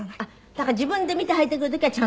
だから自分で見て履いてくる時はちゃんとしている。